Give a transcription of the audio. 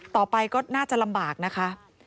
ต่อไปก็น่าจะลำบากนะคะ